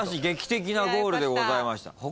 劇的なゴールでございました。